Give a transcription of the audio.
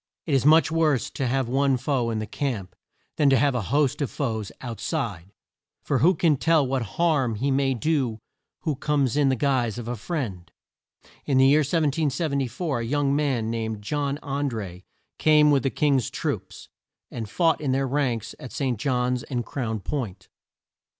It is much worse to have one foe in the camp than to have a host of foes out side, for who can tell what harm he may do who comes in the guise of a friend? In the year 1774 a young man, named John An dré, came with the King's troops, and fought in their ranks at St. John's and Crown Point.